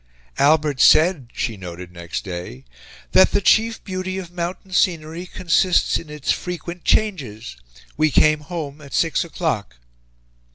"Albert said," she noted next day, "that the chief beauty of mountain scenery consists in its frequent changes. We came home at six o'clock."